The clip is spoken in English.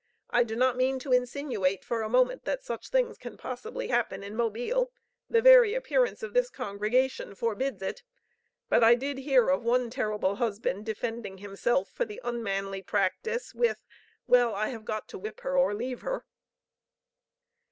I do not mean to insinuate for a moment that such things can possibly happen in Mobile. The very appearance of this congregation forbids it; but I did hear of one terrible husband defending himself for the unmanly practice with 'Well, I have got to whip her or leave her.'"